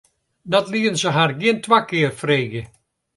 Dat lieten se har gjin twa kear freegje.